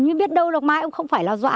nhưng biết đâu là mai ông không phải là dọa